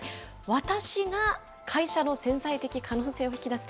私が会社の潜在的可能性を引き出す。